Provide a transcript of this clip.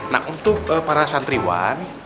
nah untuk para santriwan